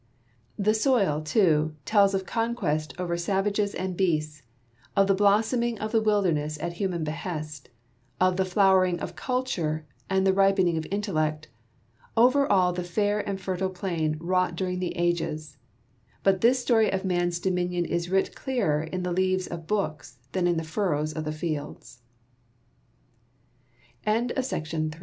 The soil, too, tells of conquest over savages and beasts, of the blossoming of the wilderness at human behest, of the flowering of culture and the ripening of intellect, over all the fair and fertile plain wrought during the ages ; but this story of man's dominion is writ clearer in the leaves of books than in the f